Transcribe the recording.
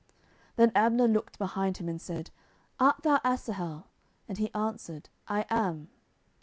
10:002:020 Then Abner looked behind him, and said, Art thou Asahel? And he answered, I am.